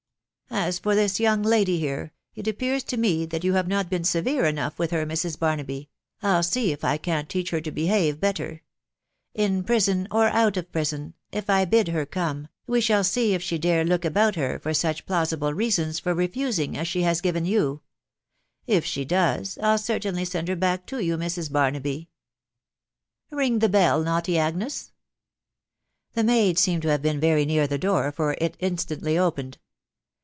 As for this young lady here, it appears to me that you have not been severe enough with her, Mrs. Barnaby. ..• I'll see if I can't teach her to behave better .... In prison or out of prison .... if I bid her come, we shall see if she dare look about her for such plausible rea sons for refusing as she has given you. If she does, Til cer tainly send her back to you, Mrs. Barnaby. Ring the bell naughty Agnes !" The maid seemed to have been very near the door, for it instantly opened.